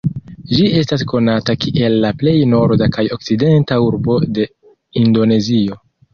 Ĝi estas konata kiel la plej norda kaj okcidenta urbo de Indonezio.